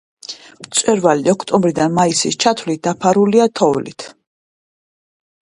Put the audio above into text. მწვერვალი ოქტომბრიდან მაისის ჩათვლით დაფარულია თოვლით.